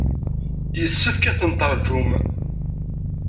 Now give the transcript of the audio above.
Yessefk ad ten-teṛjum.